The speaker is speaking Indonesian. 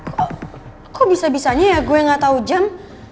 kok kok bisa bisanya ya gue gak tau jam